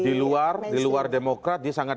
di luar di luar demokrat dia sangat